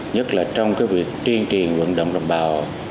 nhất là trong cái việc tuyên truyền vận động đồng bào